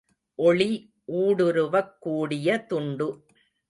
ஒளி ஊடுருவக் கூடிய துண்டு.